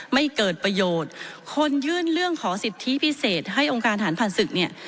ไม่เกิดประโยชน์คนยื่นเรื่องขอสิทธิพิเศษให้องค์การฐานผ่านศึกเนี่ย